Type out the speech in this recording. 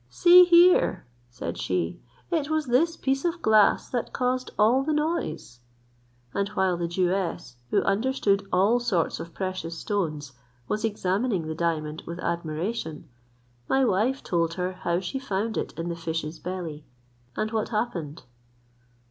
"See here," said she, "it was this piece of glass that caused all the noise;" and while the Jewess, who understood all sorts of precious stones, was examining the diamond with admiration, my wife told her how she found it in the fish's belly, and what happened.